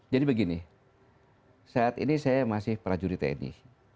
jadi begini saat ini saya masih prajurit tni